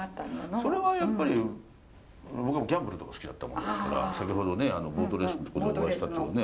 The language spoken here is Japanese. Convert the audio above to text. それはやっぱり僕はギャンブルとか好きだったものですから先ほどねボートレースのとこでお会いしたというね。